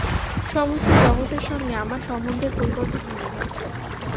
সমস্ত জগতের সঙ্গে আমার সম্বন্ধের পরিবর্তন হয়ে গেছে।